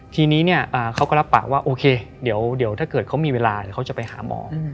ทีนี้เนี่ยเขาก็รับปากว่าโอเคเดี๋ยวถ้าเกิดเขามีเวลาเดี๋ยวเขาจะไปหาหมอ